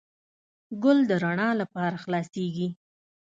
ګل د رڼا لپاره خلاصیږي.